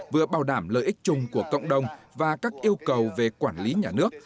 vừa bảo đảm lợi ích chung của cộng đồng và các yêu cầu về quản lý nhà nước